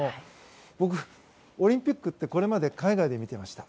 僕、オリンピックってこれまで海外で見てました。